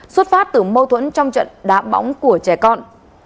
xuất phát từ mâu thuẫn trong trận đá bóng của trẻ con